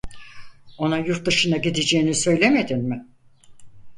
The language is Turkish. Ona yurt dışına gideceğini söylemedin mi?